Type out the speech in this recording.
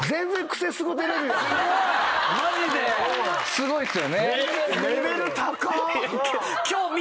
すごいっすよね。